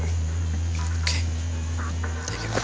oke terima kasih banget